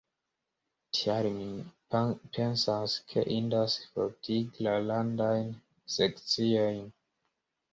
Tial, mi pensas ke indas fortigi la landajn sekciojn.